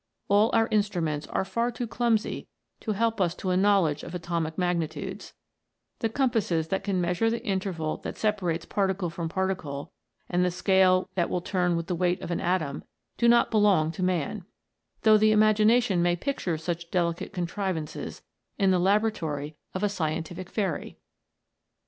All our instruments are far too clumsy to help us to a knowledge of atomic magnitudes ; the compasses that can measure the interval that separates particle from particle, and the scale that will turn with the weight of an atom, do not belong to man, though the imagination may picture such delicate contri vances in the laboratory of a scientific fairy.